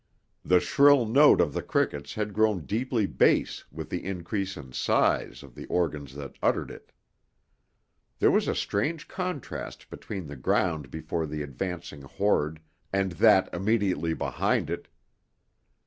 The shrill note of the crickets had grown deeply bass with the increase in size of the organs that uttered it. There was a strange contrast between the ground before the advancing horde and that immediately behind it.